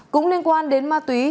cũng liên quan đến ma túy